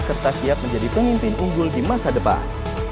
serta siap menjadi pemimpin unggul di masa depan